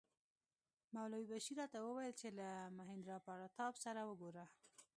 مولوي بشیر راته وویل چې له مهیندراپراتاپ سره وګوره.